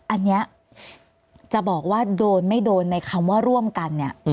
อันนี้จะบอกว่าโดนไม่โดนในคำว่าร่วมกันเนี่ย